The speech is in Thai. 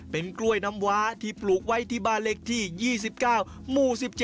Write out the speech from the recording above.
เป็นกล้วยน้ำว้าที่ปลูกไว้ที่บ้านเลขที่๒๙หมู่๑๗